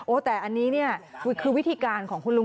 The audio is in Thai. แต่อันนี้เนี่ยคือวิธีการของคุณลุง